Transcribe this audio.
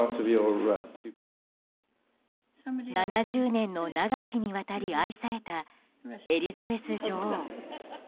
７０年の長きにわたり愛されたエリザベス女王。